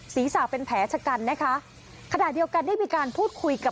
ศีรษะเป็นแผลชะกันนะคะขณะเดียวกันได้มีการพูดคุยกับ